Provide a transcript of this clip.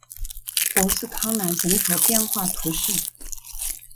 博斯康南人口变化图示